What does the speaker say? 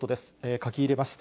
書き入れます。